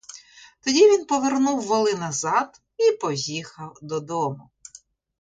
Тоді він повернув воли назад і поїхав додому.